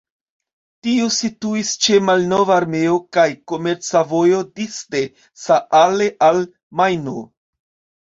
Tio situis ĉe malnova armea kaj komerca vojo disde Saale al Majno.